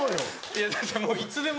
いやだってもういつでも。